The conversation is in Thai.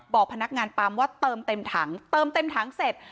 พนักงานปั๊มว่าเติมเต็มถังเติมเต็มถังเสร็จ